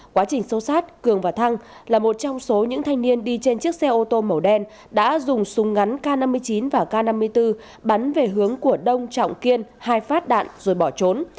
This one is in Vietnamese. quá trình sâu sát cường và thăng là một trong số những thanh niên đi trên chiếc xe ô tô màu đen đã dùng súng ngắn k năm mươi chín và k năm mươi bốn bắn về hướng của đông trọng kiên hai phát đạn rồi bỏ trốn